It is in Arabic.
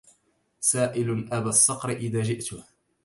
سائل أبا الصقر إذا جئته